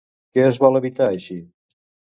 Què es vol evitar així?